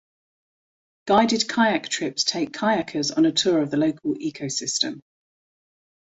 Guided kayak trips take kayakers on a tour of the local ecosystem.